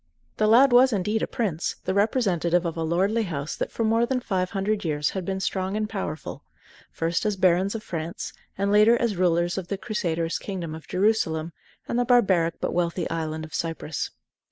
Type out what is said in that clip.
The lad was indeed a prince, the representative of a lordly house that for more than five hundred years had been strong and powerful, first as barons of France, and later as rulers of the Crusaders' kingdom of Jerusalem and the barbaric but wealthy island of Cyprus.